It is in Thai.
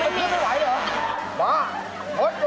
ผมนึกไม่ไหวหรือ